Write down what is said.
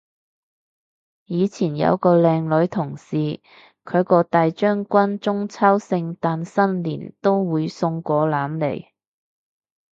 以前有個靚女同事，佢個大將軍中秋聖誕新年都會送果籃嚟